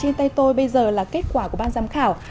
trên tay tôi bây giờ là kết quả của ban giám khảo